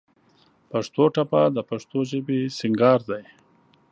پښتو ټپه د پښتو ژبې د سينګار دى.